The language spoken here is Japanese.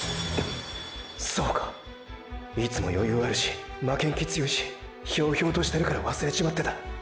そうかいつも余裕あるし負けん気強いし飄々としてるから忘れちまってたーー。